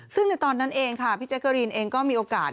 ซึ่งในตอนนั้นเองค่ะพี่แจ๊กกะรีนเองก็มีโอกาส